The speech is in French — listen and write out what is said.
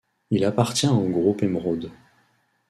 Il appartient au groupe Emeraude.